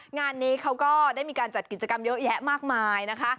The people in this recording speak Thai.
งานนี้เขาก็ได้มีการจัดกิจกรรมเยอะแยะมากมายนะคะ